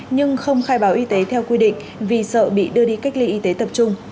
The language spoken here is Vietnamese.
nhưng không khai báo y tế theo quy định vì sợ bị đưa đi cách ly y tế tập trung